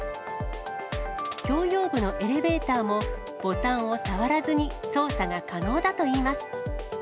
共用部のエレベーターも、ボタンを触らずに操作が可能だといいます。